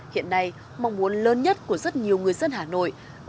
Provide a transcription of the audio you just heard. hiện nay mong muốn lớn nhất của rất nhiều người dân hành động là các nhà máy đều phải mở cửa vào